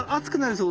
そう。